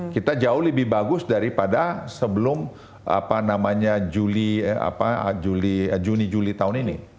kita jauh lebih bagus daripada sebelum apa namanya juli juni juli tahun ini